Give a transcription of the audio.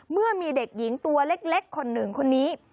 เมื่อมีเด็กหญิงตัวเล็กคนหนึ่งคนนี้